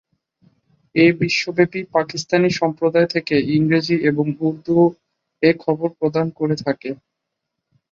এটা বিশ্বব্যাপী পাকিস্তানি সম্প্রদায় থেকে ইংরেজি এবং উর্দু এ খবর প্রদান করে থাকে।